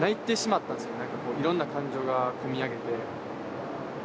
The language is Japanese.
いろんな感情が込み上げて。